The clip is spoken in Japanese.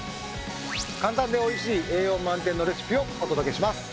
簡単でおいしい栄養満点のレシピをお届けします。